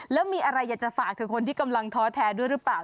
แล้วมีอะไรอยากจะฝากถึงคนที่กำลังท้อแท้ด้วยหรือเปล่า